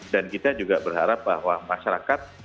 dan kita juga berharap bahwa masyarakat